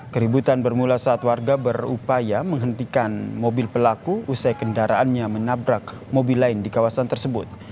keributan bermula saat warga berupaya menghentikan mobil pelaku usai kendaraannya menabrak mobil lain di kawasan tersebut